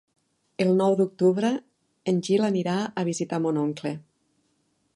El nou d'octubre en Gil anirà a visitar mon oncle.